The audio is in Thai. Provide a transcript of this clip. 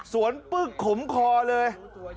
สวนปื้กขมคอเลย